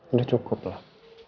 udah cukup lah